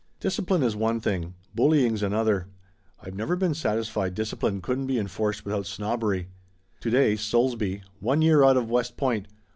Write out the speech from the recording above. "Discipline is one thing. Bullying's another. I've never been satisfied discipline couldn't be enforced without snobbery. To day Solesby one year out of West Point!